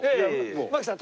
槙さん